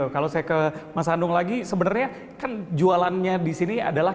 kalau saya ke mas handung lagi sebenarnya kan jualannya di sini adalah